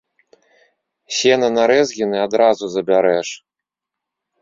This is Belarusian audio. Сена на рэзгіны адразу забярэш.